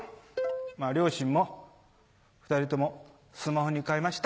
まぁ両親も２人ともスマホに変えました。